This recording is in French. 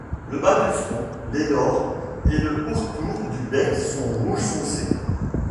Le bas du front, les lores et le pourtour du bec sont rouge foncé.